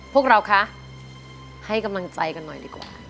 พวกเราคะให้กำลังใจกันหน่อยดีกว่า